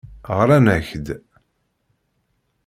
Ɣran-ak-d.